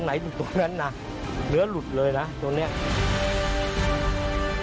ไสมัยนี่มันจะช้าไม่ได้เลยเพราะช้าเสียทั้งที